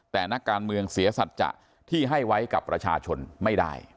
แต่นักการเมืองเสียสัจจะที่ให้ไว้กับประชาชนไม่ได้